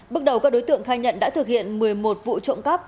bước đầu các đối tượng khai nhận đã thực hiện một mươi một vụ trộm cắp